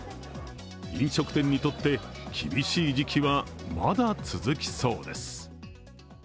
飲食店にとって厳しい時期はまだ続きそうです。